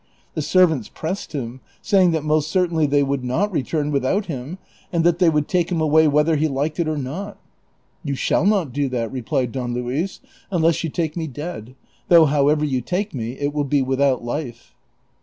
The servants pressed him, saying that most certainly they would not return without him, and that they would take him away whether he liked it or not. " You shall not do that," replied Don Luis, " unless you take me dead ; though however you take me, it will be without life."